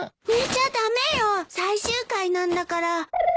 寝ちゃ駄目よ最終回なんだから。